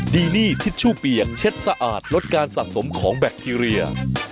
ดีนี่ทิชชู่เปียกเช็ดสะอาดลดการสะสมของแบคทีเรีย